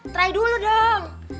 try dulu dong